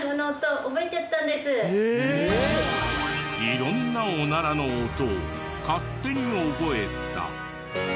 色んなオナラの音を勝手に覚えた。